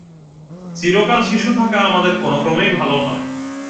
চিরকাল শিশু থাকা আমাদের কোনক্রমেই ভাল নয়।